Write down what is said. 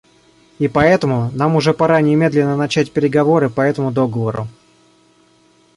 И поэтому нам уже пора немедленно начать переговоры по этому договору.